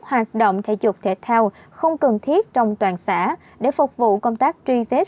hoạt động thể dục thể thao không cần thiết trong toàn xã để phục vụ công tác truy vết